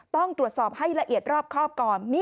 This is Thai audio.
ต้องตรวจสอบให้ละเอียดรอบครอบก่อน